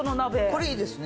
これいいですね。